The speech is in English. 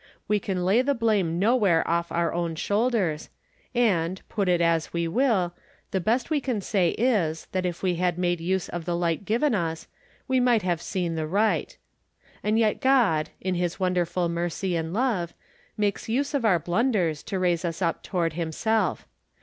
Y/'e can lay the blame nowhere off our own shoul ders, and, put it as we will, the best we can say is, that if wo had made use of the light given us, we' might have seen the right. And yet God, in his wonderful mercy and love, makes use of our blunders to raise us up toward himself.